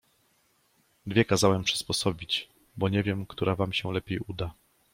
Dwie kazałem przysposobić, bo nie wiem, która wam się lepiej uda.